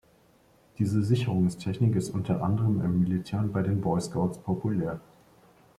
Diese Sicherungstechnik ist unter anderem im Militär und bei den Boy Scouts populär.